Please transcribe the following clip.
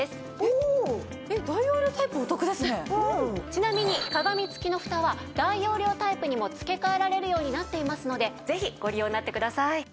ちなみに鏡付きのふたは大容量タイプにも付け替えられるようになっていますのでぜひご利用になってください。